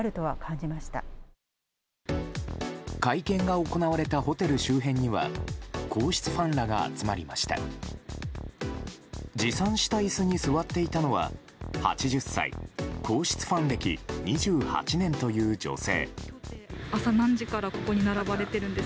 持参した椅子に座っていたのは８０歳皇室ファン歴２８年という女性。